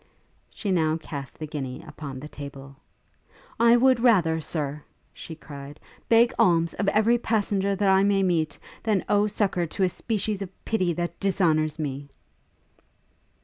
She now cast the guinea upon the table. 'I would rather, Sir,' she cried, 'beg alms of every passenger that I may meet, than owe succour to a species of pity that dishonours me!'